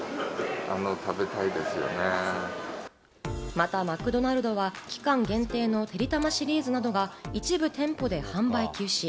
またマクドナルドは、期間限定のてりたまシリーズなどが、一部店舗で販売休止。